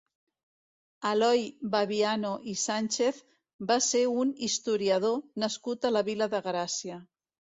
Eloi Babiano i Sànchez va ser un historiador nascut a la Vila de Gràcia.